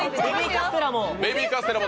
ベビーカステラも。